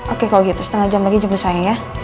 oke kalau gitu setengah jam lagi jemput saya ya